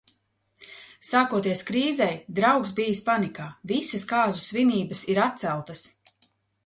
Sākoties krīzei, draugs bijis panikā – visas kāzu svinības ir atceltas.